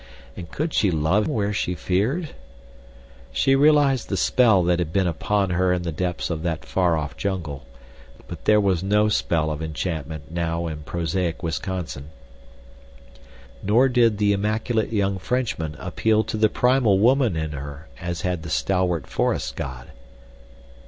And could she love where she feared? She realized the spell that had been upon her in the depths of that far off jungle, but there was no spell of enchantment now in prosaic Wisconsin. Nor did the immaculate young Frenchman appeal to the primal woman in her, as had the stalwart forest god.